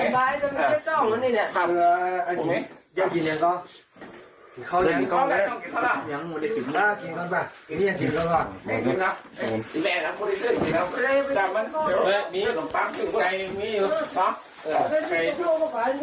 หลบแย่ละก็ได้สองเข้าเย็บสองเข้ามีหนักมีไกลเป็นไง